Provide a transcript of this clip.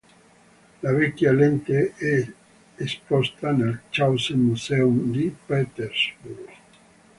La vecchia lente è esposta nel Clausen Museum di Petersburg.